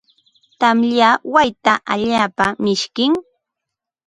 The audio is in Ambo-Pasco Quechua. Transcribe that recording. Tamya wayta allaapa mishkim.